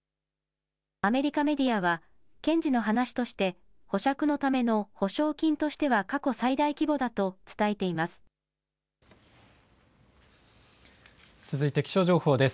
アメリカメディアは検事の話として保釈のための保証金としては過去最大規模だと伝えています。